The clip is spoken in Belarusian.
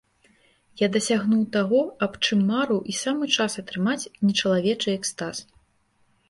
Я дасягнуў таго аб чым марыў і самы час атрымаць нечалавечы экстаз.